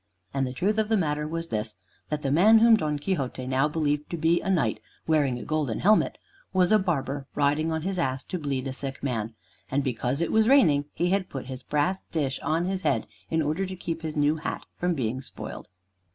And the truth of the matter was this, that the man whom Don Quixote now believed to be a knight, wearing a golden helmet, was a barber riding on his ass to bleed a sick man. And because it was raining, he had put his brass dish on his head, in order to keep his new hat from being spoiled.